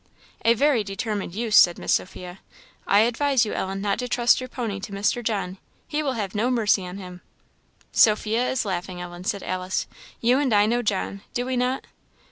"A very determined 'use,' " said Miss Sophia. "I advise you, Ellen, not to trust your pony to Mr. John; he will have no mercy on him." "Sophia is laughing, Ellen," said Alice. "You and I know John, do we not?"